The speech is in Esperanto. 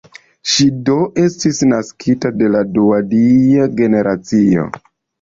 Ŝi do estis naskita de la dua dia generacio.